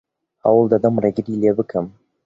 هەوڵ دەدەم ڕێگری لێ بکەم.